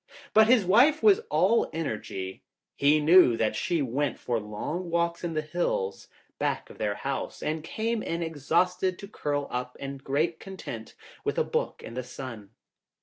But his wife was all energy. He knew that she went for long walks in the hills back of their house and came in exhausted to curl up in great content with a book in the sun.